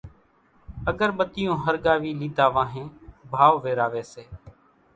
اڳر ٻتيون ۿرڳاوِي ليڌا وانھين ڀائو ويراوي سي